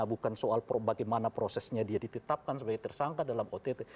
bukan soal bagaimana prosesnya dia ditetapkan sebagai tersangka dalam ott